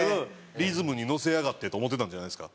リズムに乗せやがってと思ってたんじゃないですか？